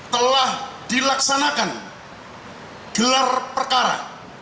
telah dilaksanakan gelar perkara